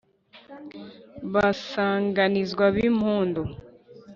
basanganizwa b’impundu